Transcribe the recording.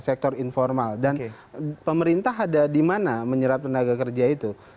sektor informal dan pemerintah ada di mana menyerap tenaga kerja itu